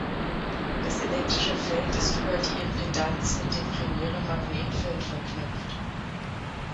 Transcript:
Das elektrische Feld ist über die Impedanz mit dem primären Magnetfeld verknüpft.